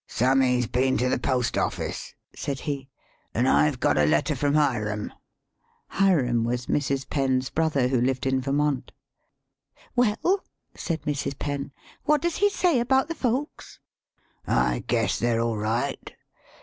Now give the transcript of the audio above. " Sam my's been to the post office," said he, "an* I've THE SPEAKING VOICE got a letter from Hiram." Hiram was Mrs. Penn's brother, who lived in Vermont. ["Well," said Mrs. Penn, "what does he say about the folks?" " I guess they're all right.